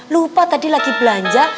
lupa tadi lagi belanja